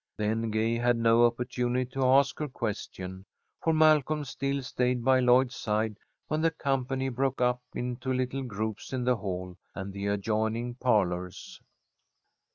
Then Gay had no opportunity to ask her question, for Malcolm still stayed by Lloyd's side when the company broke up into little groups in the hall and the adjoining parlours.